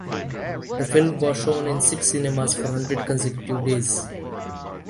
The film was shown in six cinemas for hundred consecutive days.